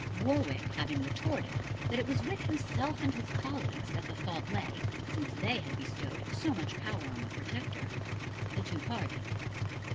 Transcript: Warwick having retorted that it was with himself and his colleagues that the fault lay, since they had bestowed so much power on the Protector, the two parted.